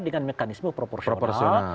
dengan mekanisme proporsional